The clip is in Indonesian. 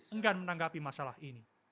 enggan menanggapi masalah ini